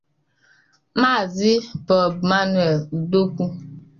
Maazị Bob-Manuel Udokwu